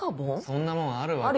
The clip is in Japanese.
そんなもんあるわけ。